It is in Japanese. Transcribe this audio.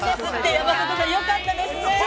◆山里さん、よかったですね。